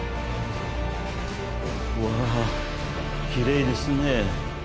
うわぁきれいですね。